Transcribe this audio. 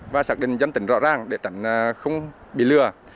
và xác định dân tỉnh rõ ràng để tránh không bị lừa